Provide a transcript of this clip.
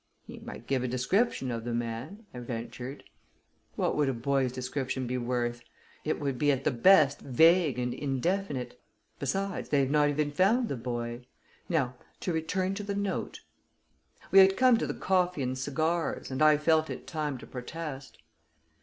"He might give a description of the man," I ventured. "What would a boy's description be worth? It would be, at the best, vague and indefinite. Besides, they've not even found the boy. Now, to return to the note." We had come to the coffee and cigars, and I felt it time to protest.